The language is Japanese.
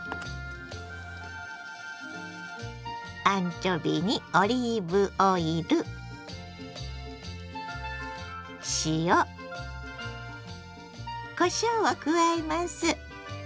アンチョビにオリーブオイル塩こしょうを加えます。